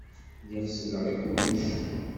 Lliɣ selleɣ i kullec.